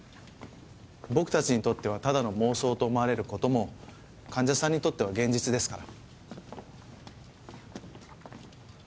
僕たちにとってはただの妄想と思われる事も患者さんにとっては現実ですから。